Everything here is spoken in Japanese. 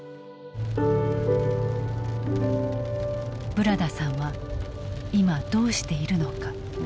ブラダさんは今どうしているのか。